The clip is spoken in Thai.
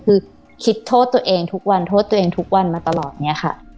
คือคิดโทษตัวเองทุกวันโทษตัวเองทุกวันมาตลอดเนี่ยค่ะ